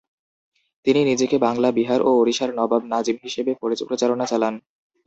তিনি নিজেকে বাংলা বিহার ও ওড়িশার নবাব নাজিম হিসেবে প্রচারণা চালান।